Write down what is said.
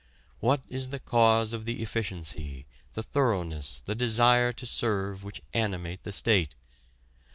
What is the cause of the efficiency, the thoroughness, the desire to serve which animate the state?